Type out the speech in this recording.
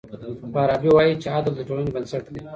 فارابي وايي چي عدل د ټولني بنسټ دی.